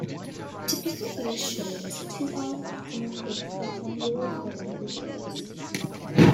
A typical early show was a two-hour afternoon piece based on viewers' wedding videos.